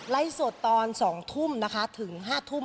สดตอน๒ทุ่มนะคะถึง๕ทุ่ม